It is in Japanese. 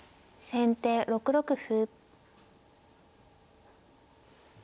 先手１六歩。